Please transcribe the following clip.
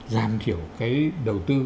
giảm thiểu cái đầu tư